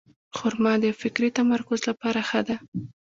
خرما د فکري تمرکز لپاره ښه ده.